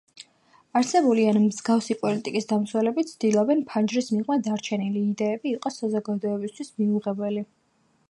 არსებული ან მსგავსი პოლიტიკის დამცველები ცდილობენ ფანჯრის მიღმა დარჩენილი იდეები იყოს საზოგადოებისთვის მიუღებელი.